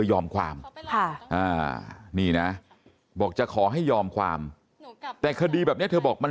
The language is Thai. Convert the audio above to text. ยอมความนี่นะบอกจะขอให้ยอมความแต่คดีแบบนี้เธอบอกมัน